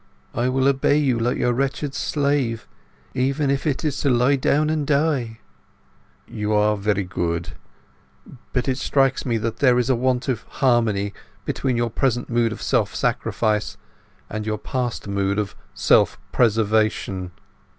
"I will obey you like your wretched slave, even if it is to lie down and die." "You are very good. But it strikes me that there is a want of harmony between your present mood of self sacrifice and your past mood of self preservation."